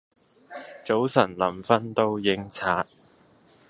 早晨臨訓都應刷